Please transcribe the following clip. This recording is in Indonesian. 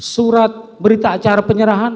surat berita acara penyerahan